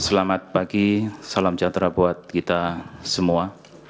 selamat pagi salam sejahtera buat kita semua